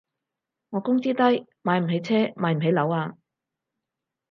我工資低，買唔起車買唔起樓啊